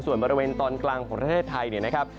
ส่วนบริเวณตอนกลางของประเทศไทยเนี่ยนะครับ